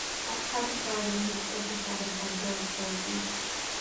At Covent Garden, he was overshadowed by Georg Solti.